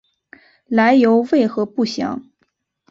来由为何不详。